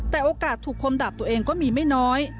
แต่โอกาสถูกคมดับตัวเองก็มีไม่น้อย